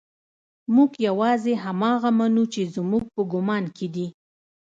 موږ يوازې هماغه منو چې زموږ په ګمان کې دي.